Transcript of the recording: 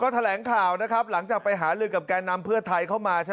แถลงข่าวนะครับหลังจากไปหาลือกับแก่นำเพื่อไทยเข้ามาใช่ไหม